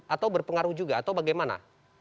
atau berpengaruh juga atau bagaimana